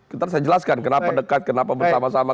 kita harus jelaskan kenapa dekat kenapa bersama sama